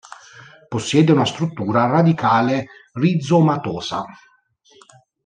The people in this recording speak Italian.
Possiede una struttura radicale rizomatosa.